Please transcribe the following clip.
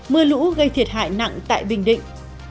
mưa lũ gây thiệt hại nặng tại bình định